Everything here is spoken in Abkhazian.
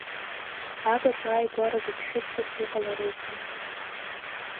Агаҿа ааигәара гыгшәыгҵас иҟаларызи?!